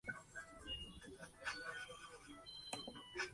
La compositora fue enterrada en el Segundo Callejón Honorífico.